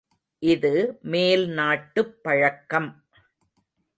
இது மேல் நாட்டுப் பழக்கம்.